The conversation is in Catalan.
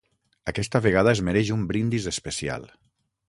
Aquesta vegada es mereix un brindis especial.